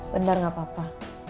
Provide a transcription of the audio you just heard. bener gak papa